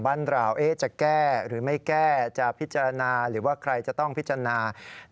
บ้านเราจะแก้หรือไม่แก้จะพิจารณาหรือว่าใครจะต้องพิจารณา